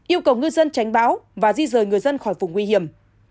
yêu cầu người dân tránh bão và di rời người dân khỏi vùng nguy hiểm